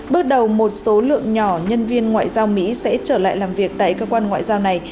bước đầu một số lượng nhỏ nhân viên ngoại giao mỹ sẽ trở lại làm việc tại cơ quan ngoại giao này